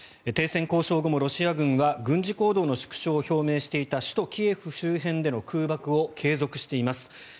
停戦交渉後もロシア軍は軍事行動の縮小を表明していた首都キエフ周辺での空爆を継続しています。